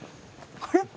あれ？